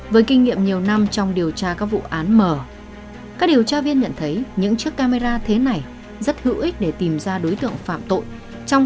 với kinh nghiệm nhiều năm trong điều tra các vụ án mở các điều tra viên nhận thấy những chiếc camera thế này rất hữu ích để tìm ra đối tượng phạm tội trong các vụ án hình sự